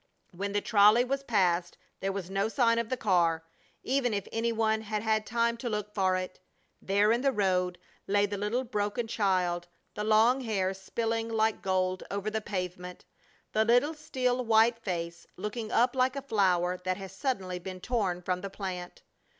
When the trolley was passed there was no sign of the car, even if any one had had time to look for it. There in the road lay the little, broken child, the long hair spilling like gold over the pavement, the little, still, white face looking up like a flower that has suddenly been torn from the plant.